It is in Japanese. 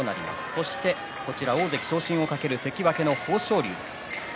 そして大関昇進を懸ける関脇の豊昇龍です。